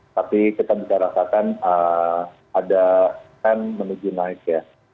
tapi kita bisa rasakan ada trend menuju naik ya